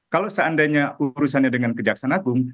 kalau seandainya urusannya dengan kejaksaan agung